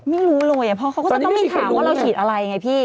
ไม่รู้เลยเพราะเขาก็จะต้องมีข่าวว่าเราฉีดอะไรไงพี่